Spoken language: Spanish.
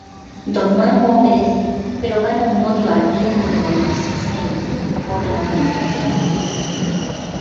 Dormammu obedece, pero gana un odio ardiente contra Strange por la humillación.